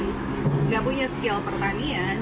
tidak punya skill pertanian